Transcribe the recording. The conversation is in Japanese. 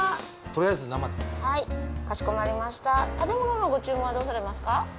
とりあえず生ではいかしこまりました食べ物のご注文はどうされますか？